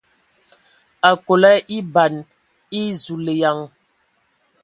Akol a eban e ! Zulǝyaŋ!